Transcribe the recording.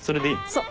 そう。